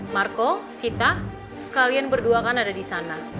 marco sita sekalian berdua kan ada di sana